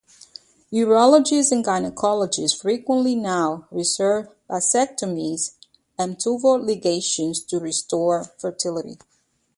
Urologists and gynecologists frequently now reverse vasectomies and tubal ligations to restore fertility.